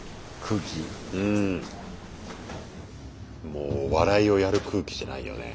もうお笑いをやる空気じゃないよね。